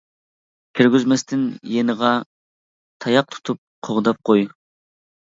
كىرگۈزمەستىن يېنىغا، تاياق تۇتۇپ قوغداپ قوي.